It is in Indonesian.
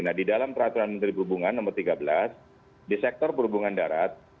nah di dalam peraturan menteri perhubungan nomor tiga belas di sektor perhubungan darat